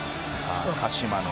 鹿島のね」